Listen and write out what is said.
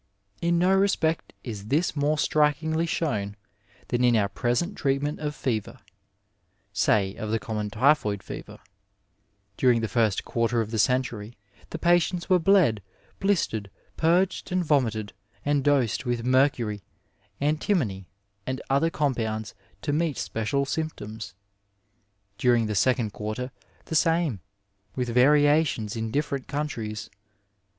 In no respect is this more strikingly shown than in our present treatment of fever — say, of the common typhoid fever. During the first quarter of the century the patients were bled, blistered, purged and vomited, and dosed with mercury, antimony, and other compounds 267 Digitized by VjOOQIC MEDICINE IN THE NINETEENTH CENTDRY to meet special symptoiiui; Daring the second quarter the same, with variations in different countries.